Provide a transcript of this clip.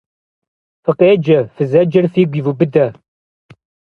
Фыкъеджэ, фызэджэр фигу ивубыдэ!